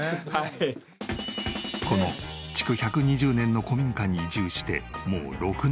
この築１２０年の古民家に移住してもう６年。